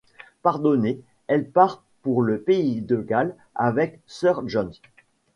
Pardonnée, elle part pour le Pays de Galles avec Sir John.